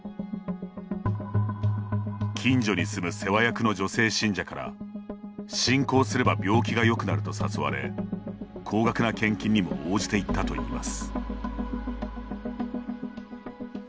近所に住む世話役の女性信者から信仰すれば病気がよくなると誘われ、高額な献金にも応じていったといいます。